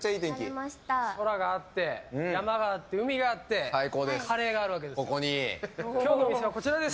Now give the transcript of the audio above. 空があって山があって海があってカレーがあるわけです。